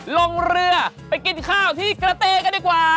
ลงเรือไปกินข้าวที่กระเตกันดีกว่า